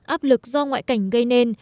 áp lực do ngoại cảnh gây nên